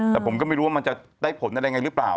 แต่ผมก็ไม่รู้ว่ามันจะได้ผลอะไรไงหรือเปล่า